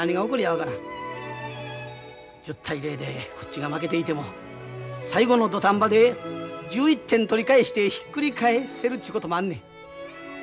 １０対０でこっちが負けていても最後の土壇場で１１点取り返してひっくり返せるちゅうこともあんねん。